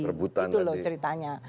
itu loh ceritanya